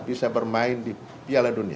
bisa bermain di piala dunia